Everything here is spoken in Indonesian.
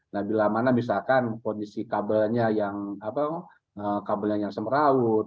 nah bila mana misalkan kondisi kabelnya yang kabelnya yang semeraut